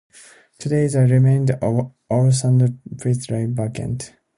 Today, the remnants of old sand pits lay vacant.